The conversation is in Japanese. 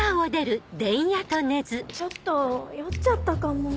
ちょっと酔っちゃったかも。